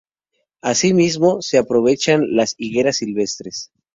Asimismo, se aprovechan las higueras silvestres.